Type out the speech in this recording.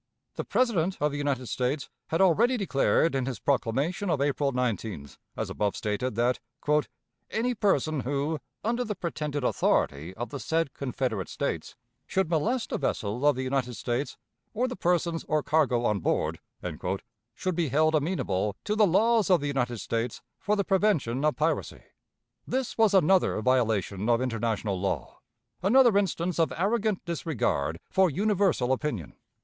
The President of the United States had already declared in his proclamation of April 19th, as above stated, that "any person, who, under the pretended authority of the said (Confederate) States, should molest a vessel of the United States, or the persons or cargo on board," should be held amenable to the laws of the United States for the prevention of piracy. This was another violation of international law, another instance of arrogant disregard for universal opinion.